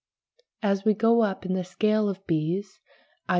As we go up in the scale of bees, i.